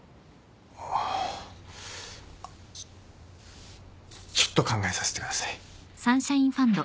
ちょちょっと考えさせてください。